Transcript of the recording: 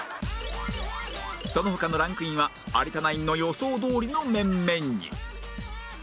その他のランクインは有田ナインの予想どおりの面々に